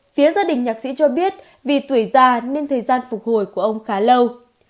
phía gia đình nhạc sĩ cho biết vì tuổi già nên thời gian phục hồi của ông khá lâu